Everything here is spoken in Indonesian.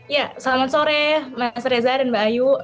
ya selamat sore mas reza dan mbak ayu